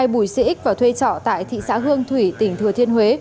bùi sĩ x và thuê trọ tại thị xã hương thủy tỉnh thừa thiên huế